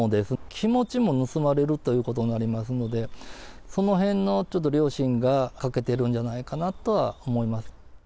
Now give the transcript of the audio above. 気持ちも盗まれるということになりますので、そのへんのちょっと良心が欠けてるんじゃないかなとは思います。